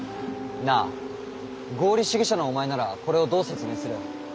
なあ合理主義者のお前ならこれをどう説明する？